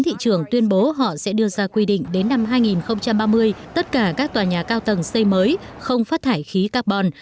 thị trường tuyên bố họ sẽ đưa ra quy định đến năm hai nghìn ba mươi tất cả các tòa nhà cao tầng xây mới không phát thải khí carbon